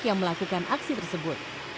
yang melakukan aksi tersebut